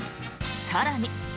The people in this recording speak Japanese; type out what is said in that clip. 更に。